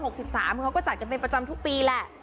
เขาก็จัดกันเป็นประจำทุกปีแหละ